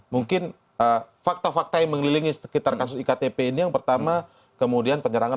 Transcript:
mungkin fakta fakta yang mengelilingi sekitar kasus iktp ini yang pertama kemudian penyerangan